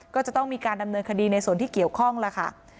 ก็จะต้องมีการดำเนินคดีในส่วนที่เกี่ยวข้องล่ะค่ะ